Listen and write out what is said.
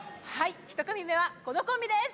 １組目はこのコンビです。